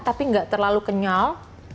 tapi gak terlalu kenyal